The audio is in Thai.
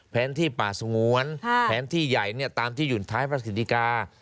แล้วก็มีแผนที่เขตรักษาพันธุ์สัตว์ป่า